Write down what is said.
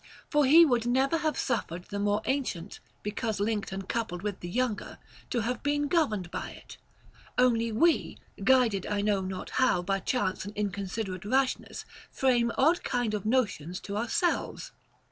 For he would never have suffered the more ancient, because linked and coupled with the younger, to have been governed by it ; only we, guided I know not how by chance and inconsiderate rashness, frame odd kind of notions to ourselves.